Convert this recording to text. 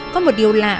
có một điều lạ